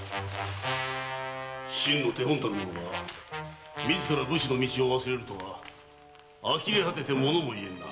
臣の手本たる者が自ら武士の道を忘れるとはあきれ果ててものも言えんな。